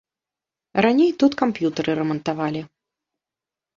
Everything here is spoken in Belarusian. Раней тут камп'ютары рамантавалі.